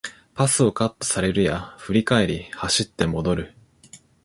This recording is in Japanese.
パスをカットされるや振り返り走って戻る